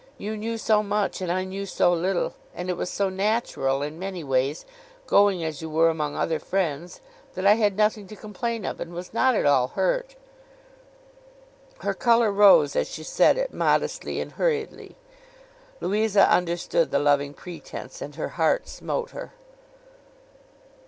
You knew so much, and I knew so little, and it was so natural in many ways, going as you were among other friends, that I had nothing to complain of, and was not at all hurt.' Her colour rose as she said it modestly and hurriedly. Louisa understood the loving pretence, and her heart smote her.